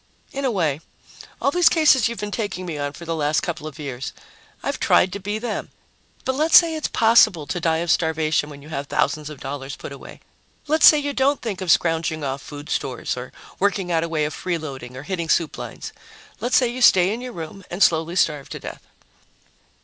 "In a way. All these cases you've been taking me on for the last couple of years I've tried to be them. But let's say it's possible to die of starvation when you have thousands of dollars put away. Let's say you don't think of scrounging off food stores or working out a way of freeloading or hitting soup lines. Let's say you stay in your room and slowly starve to death."